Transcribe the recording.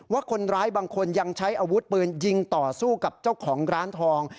ว่าคนร้ายบางคนยังใช้อาวุธปืนยิงต่อสู้กับเจ้าของร้านทอง